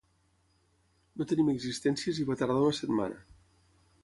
No tenim existències i va tardar una setmana.